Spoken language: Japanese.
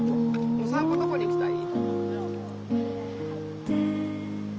お散歩どこに行きたい？